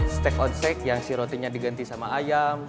steak on steak yang si rotinya diganti sama ayam